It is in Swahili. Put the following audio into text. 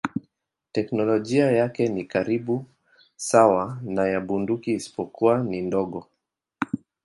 Teknolojia yake ni karibu sawa na ya bunduki isipokuwa ni ndogo.